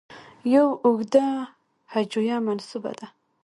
یو اوږده هجویه منسوبه ده.